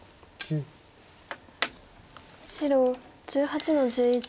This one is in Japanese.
白１８の十一。